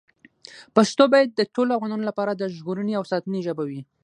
پښتو باید د ټولو افغانانو لپاره د ژغورنې او ساتنې ژبه وي.